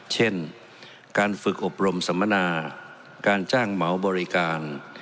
เช่นการฝึกอบรมสัมมนาการจ้างเหมาบริการ